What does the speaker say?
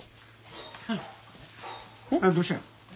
どうしたんや？